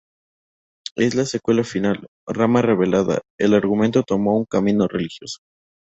En la secuela final, "Rama revelada," el argumento toma un camino religioso.